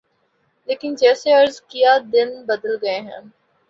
لیکن جیسے عرض کیا دن بدل گئے ہیں۔